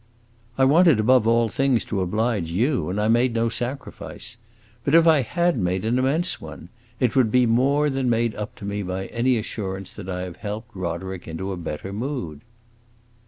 "I wanted above all things to oblige you, and I made no sacrifice. But if I had made an immense one, it would be more than made up to me by any assurance that I have helped Roderick into a better mood."